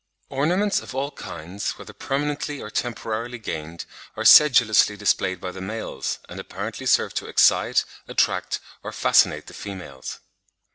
Ornaments of all kinds, whether permanently or temporarily gained, are sedulously displayed by the males, and apparently serve to excite, attract, or fascinate the females.